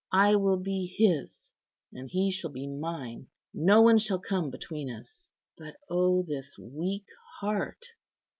I will be His, and He shall be mine. No one shall come between us. But O this weak heart!"